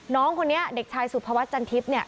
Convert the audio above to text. น้องคนนี้เด็กชายสุภวัฒนจันทิพย์เนี่ย